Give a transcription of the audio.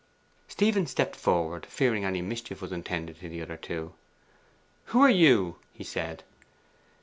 Stephen stepped forward, fearing any mischief was intended to the other two. 'Who are you?' he said.